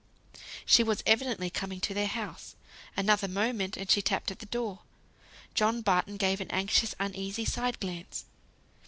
She was evidently coming to their house; another moment, and she tapped at the door. John Barton gave an anxious, uneasy side glance.